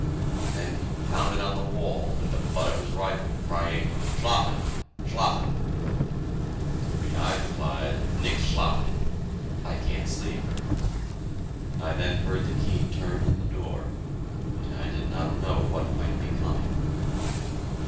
Then he pounded on the wall with the butt of his rifle, crying, "Schlafen! schlafen!" To which I replied, "Nix schlafen!" (I can't sleep!) I then heard the key turn in the door, and I did not know what might be coming.